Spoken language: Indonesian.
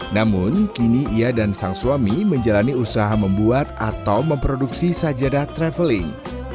namun kini ia dan sang suami menjalani usaha membuat atau memproduksi sajadah traveling